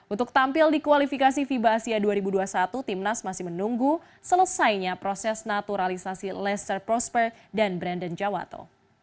untuk tampil di kualifikasi fiba asia dua ribu dua puluh satu timnas masih menunggu selesainya proses naturalisasi lester prosper dan brandon jawato